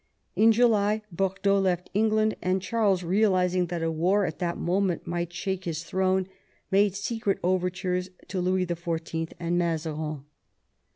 In July Bordeaux left England, and Charles, realising that a war at that moment might shake his throne, made secret overtures to Louis XIV. and Mazarin.